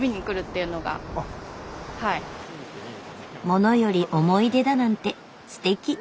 物より思い出だなんてすてき。